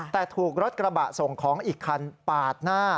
แต่ถูกรถกระบะส่งของอีกคันปาดหน้า